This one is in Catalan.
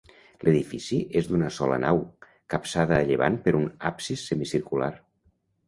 L'edifici és d'una sola nau, capçada a llevant per un absis semicircular.